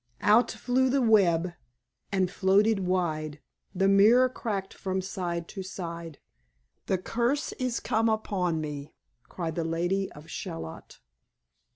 "Out flew the web, and floated wide, The mirror cracked from side to side; 'The curse is come upon me!' cried The Lady of Shalott."